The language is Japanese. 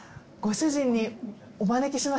「ご主人にお招き」